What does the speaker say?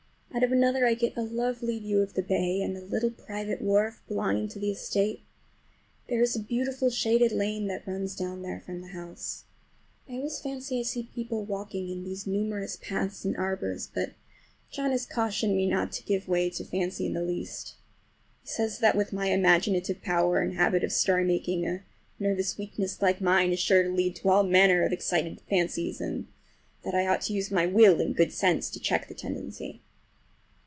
Out of another I get a lovely view of the bay and a little private wharf belonging to the estate. There is a beautiful shaded lane that runs down there from the house. I always fancy I see people walking in these numerous paths and arbors, but John has cautioned me not to give way to fancy in the least. He says that with my imaginative power and habit of story making a nervous weakness like mine is sure to lead to all manner of excited fancies, and that I ought to use my will and good sense to check the tendency.